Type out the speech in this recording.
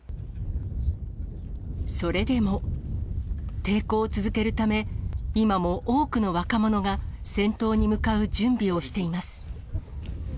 それでも、抵抗を続けるため、今も多くの若者が戦闘に向かう準備をしています。